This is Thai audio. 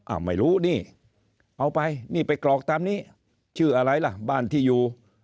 ไม่รู้นี่เอาไปนี่ไปกรอกตามนี้ชื่ออะไรล่ะบ้านที่อยู่